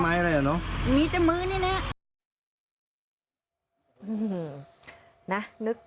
มีแต่มือนี่แน่